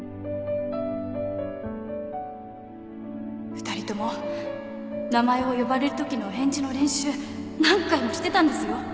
２人とも名前を呼ばれるときのお返事の練習何回もしてたんですよ